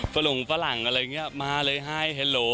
สลงฝรั่งอะไรอย่างเงี้ยมาเลยไฮเฮโล